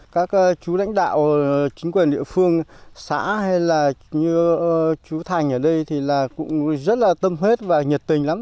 các chú lãnh đạo chính quyền địa phương xã hay là chú thành ở đây thì cũng rất là tâm huyết và nhiệt tình lắm